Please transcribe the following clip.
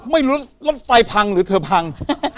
ไม่รู้รถไฟพังหรือเธอพัง